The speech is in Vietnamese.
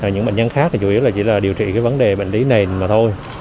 những bệnh nhân khác thì chủ yếu là chỉ là điều trị cái vấn đề bệnh lý nền mà thôi